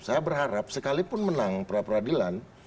saya berharap sekalipun menang peradilan